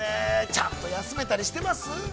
ちゃんと休めたりしてます？